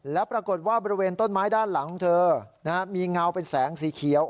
แล้วปรากฏว่าบริเวณต้นไม้ด้านหลังเธอมีเงาเป็นแสงสีเขียว